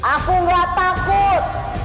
aku gak takut